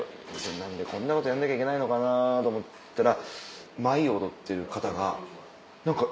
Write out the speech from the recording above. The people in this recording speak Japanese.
何でこんなことやんなきゃいけないのかなと思ったら。